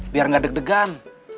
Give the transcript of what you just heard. biar gak deg degan